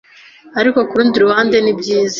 ariko ku rundi ruhande ni byiza